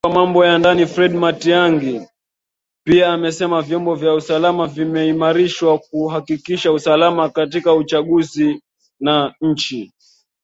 Waziri wa Mambo ya Ndani Fred Matiang’i pia amesema vyombo vya usalama vimeimarishwa kuhakikisha usalama katika uchaguzi na nchi.